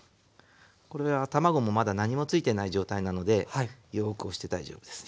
これは卵もまだ何もついてない状態なのでよく押して大丈夫です。